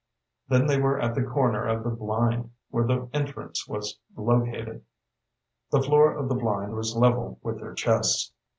Then they were at the corner of the blind where the entrance was located. The floor of the blind was level with their chests.